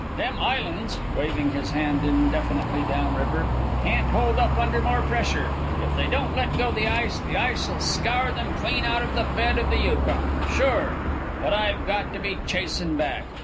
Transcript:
Them islands" waving his hand indefinitely down river "can't hold up under more pressure. If they don't let go the ice, the ice'll scour them clean out of the bed of the Yukon. Sure! But I've got to be chasin' back.